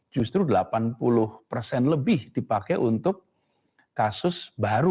justru delapan puluh persen lebih dipakai untuk kasus baru